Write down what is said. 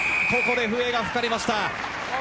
ここで笛が吹かれました。